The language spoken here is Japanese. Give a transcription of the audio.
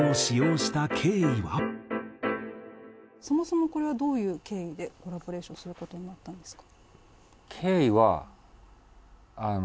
そもそもこれはどういう経緯でコラボレーションをする事になったんですか？